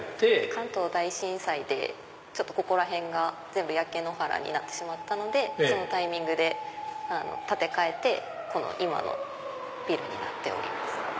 関東大震災でここら辺が全部焼け野原になってしまったのでそのタイミングで建て替えて今のビルになっております。